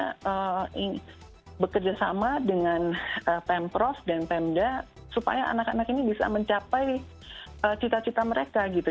maksudnya bekerjasama dengan pempros dan pemda supaya anak anak ini bisa mencapai cita cita mereka gitu